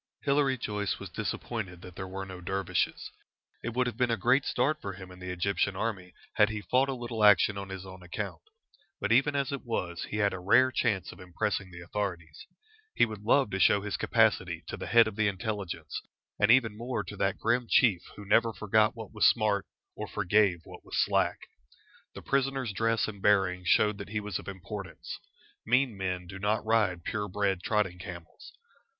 Hilary Joyce was disappointed that there were no dervishes. It would have been a great start for him in the Egyptian army had he fought a little action on his own account. But even as it was, he had a rare chance of impressing the authorities. He would love to show his capacity to the head of the Intelligence, and even more to that grim Chief who never forgot what was smart, or forgave what was slack. The prisoner's dress and bearing showed that he was of importance. Mean men do not ride pure bred trotting camels.